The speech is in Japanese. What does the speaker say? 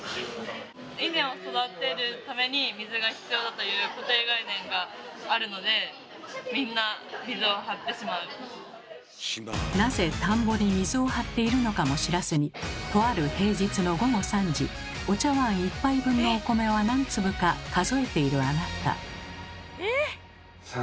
という固定概念があるのでみんななぜ田んぼに水を張っているのかも知らずにとある平日の午後３時お茶わん１杯分のお米は何粒か数えているあなた。